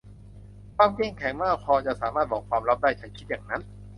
ความเข้มแข็งมากพอจะสามารถบอกความลับได้ ฉันคิดอย่างนั้น